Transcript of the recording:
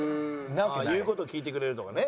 言う事聞いてくれるとかね。